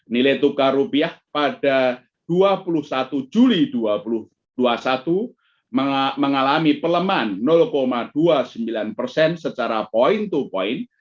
nilai tukar rupiah pada dua puluh satu juli dua ribu dua puluh satu mengalami pelemahan dua puluh sembilan persen secara point to point